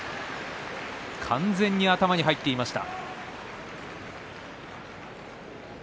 完全に頭に入っていました。